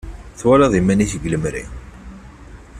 Twalaḍ iman-ik deg lemri.